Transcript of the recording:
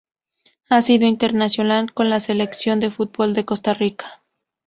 Ha sido internacional con la selección de fútbol de Costa Rica.